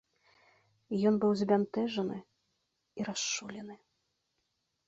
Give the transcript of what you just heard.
Ён быў збянтэжаны і расчулены.